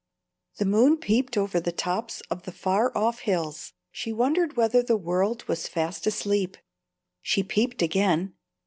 The moon peeped over the tops of the far off hills. She wondered whether the world was fast asleep. She peeped again.